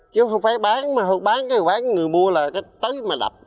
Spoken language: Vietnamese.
chứ không phải bán mà bán người mua là tới mà đập